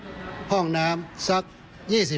ช่วยให้สามารถสัมผัสถึงความเศร้าต่อการระลึกถึงผู้ที่จากไป